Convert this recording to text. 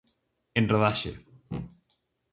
En rodaxe.